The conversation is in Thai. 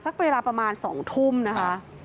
เวลาประมาณ๒ทุ่มนะคะ